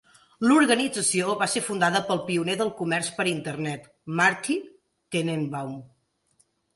L'organització va ser fundada pel pioner del comerç per Internet Marty Tenenbaum.